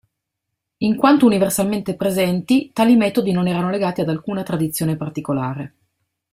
In quanto universalmente presenti, tali metodi non erano legati ad alcuna tradizione particolare.